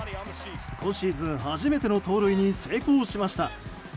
今シーズン初めての盗塁に成功しました。